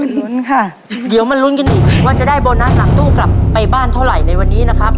ลุ้นค่ะเดี๋ยวมาลุ้นกันอีกว่าจะได้โบนัสหลังตู้กลับไปบ้านเท่าไหร่ในวันนี้นะครับ